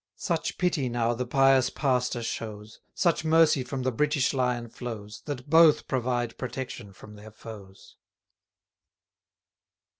Such pity now the pious pastor shows, Such mercy from the British Lion flows, That both provide protection from their foes.